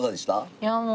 いやもう。